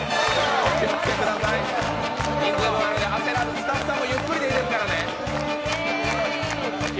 スタッフさんもゆっくりでいいですからね。